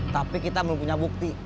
tapi kita belum punya bukti